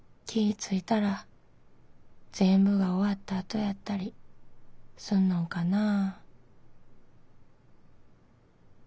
ついたらぜんぶが終わったあとやったりすんのんかなあ」。